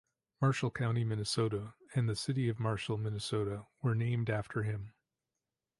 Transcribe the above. Marshall County, Minnesota and the city of Marshall, Minnesota were named after him.